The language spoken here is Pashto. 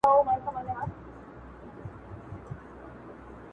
ځيني يې سخت واقعيت بولي ډېر,